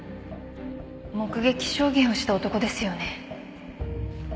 目撃証言をした男ですよね。